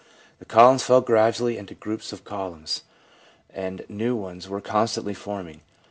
The columns fell gradually into groups of columns, and new ones were constantly form ing.